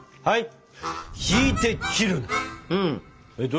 はい。